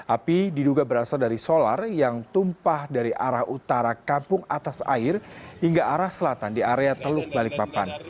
api diduga berasal dari solar yang tumpah dari arah utara kampung atas air hingga arah selatan di area teluk balikpapan